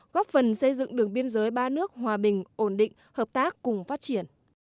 góp phần xây dựng đường biên giới ba nước hòa bình ổn định hợp tác cùng phát triển